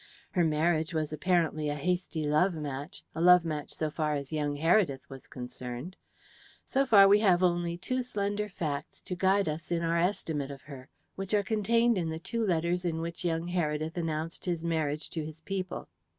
Her marriage was apparently a hasty love match a love match so far as young Heredith was concerned. So far, we have only two slender facts to guide us in our estimate of her, which are contained in the two letters in which young Heredith announced his marriage to his people.